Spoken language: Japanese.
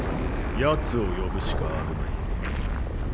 ヤツを呼ぶしかあるまい。